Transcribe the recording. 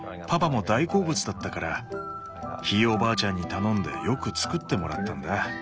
パパも大好物だったからひいおばあちゃんに頼んでよく作ってもらったんだ。